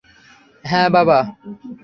হ্যাঁ, বাবা।